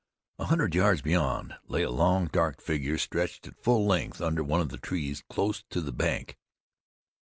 A hundred yards beyond lay a long, dark figure stretched at full length under one of the trees close to the bank.